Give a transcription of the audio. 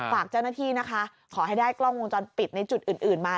ฝากเจ้าหน้าที่นะคะขอให้ได้กล้องวงจรปิดในจุดอื่นมา